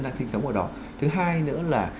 đang sinh sống ở đó thứ hai nữa là